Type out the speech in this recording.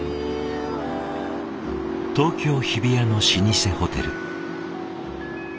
東京・日比谷の老舗ホテル。